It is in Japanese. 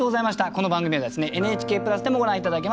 この番組はですねＮＨＫプラスでもご覧頂けます。